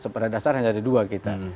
pada dasarnya ada dua kita